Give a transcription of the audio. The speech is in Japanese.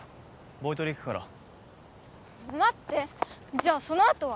ボイトレ行くから待ってじゃあそのあとは？